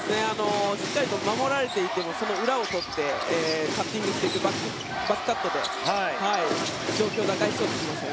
しっかりと守られていてもその裏を取ってカッティングしてバックアップで状況を打開しようとしました。